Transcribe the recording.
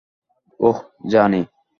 ওহ, জানি।